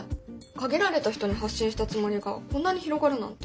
限られた人に発信したつもりがこんなに広がるなんて。